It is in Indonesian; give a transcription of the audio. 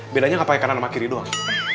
bedanya gak pake kanan sama kiri doang